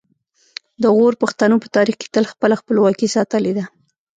د غور پښتنو په تاریخ کې تل خپله خپلواکي ساتلې ده